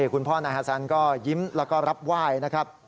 คุณพ่อนายฮาซันก็ยิ้มแล้วก็รับไหว้นะครับ